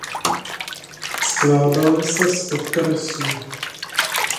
Skládaly se z okresů.